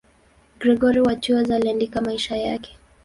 Gregori wa Tours aliandika maisha yake.